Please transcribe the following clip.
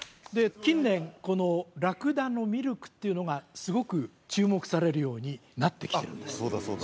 近年このラクダのミルクっていうのがすごく注目されるようになってきてるんですそうだそうだ